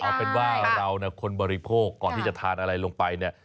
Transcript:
เอาเป็นว่าเราเนี่ยคนบริโภคก่อนที่จะทานอะไรลงไปเนี่ย